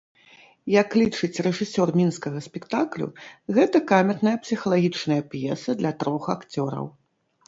Як лічыць рэжысёр мінскага спектаклю, гэта камерная псіхалагічная п'еса для трох акцёраў.